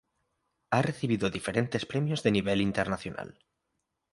Ha recibido diferentes premios de nivel internacional.